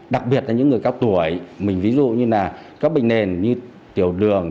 đặc biệt là những người cao tuổi mình ví dụ như là các bệnh nền như tiểu đường